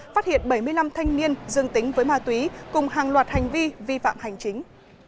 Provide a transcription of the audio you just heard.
phát hiện bảy mươi năm thanh niên dương tính với ma túy cùng hàng loạt hành vi vi phạm hành chính